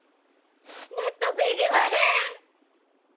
納得いきまへん！